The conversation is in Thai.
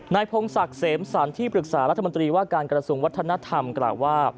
พงศักดิ์เสมสรรที่ปรึกษารัฐมนตรีว่าการกระทรวงวัฒนธรรมกล่าวว่า